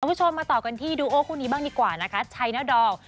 คุณผู้ชมมาต่อกันที่ดูโอคู่นี้บ้างดีกว่านะคะชัยนาดอง